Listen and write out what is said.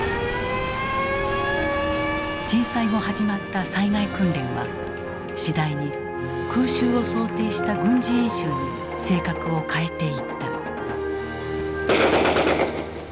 震災後始まった災害訓練は次第に空襲を想定した軍事演習に性格を変えていった。